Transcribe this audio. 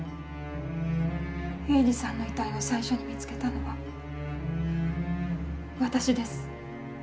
栄治さんの遺体を最初に見つけたのは私です。